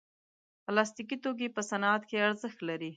پلاستيکي توکي په صنعت کې ارزښت لري.